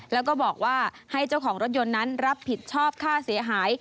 แล้วก็บอกว่าให้เจ้าของรถยนต์นั้นรับผิดชอบค่าเสียหาย